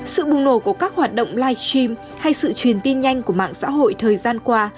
sự bùng nổ của các hoạt động live stream hay sự truyền tin nhanh của mạng xã hội thời gian qua